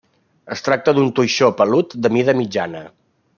Es tracta d'un toixó pelut de mida mitjana.